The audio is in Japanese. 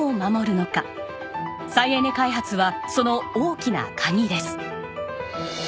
再エネ開発はその大きな鍵です。